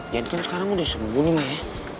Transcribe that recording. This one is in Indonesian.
jadi kan sekarang udah sembunyi maya